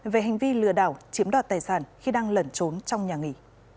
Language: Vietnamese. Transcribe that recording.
về hành vi lừa đảo chiếm đoạt tài sản khi đang lẩn trốn trong nhà nghỉ